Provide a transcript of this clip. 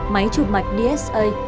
máy chụp mạch dsa